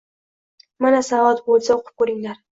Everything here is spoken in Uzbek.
Mana, savod bo’lsa, o’qib ko’ringlar